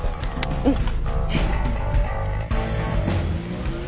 うん。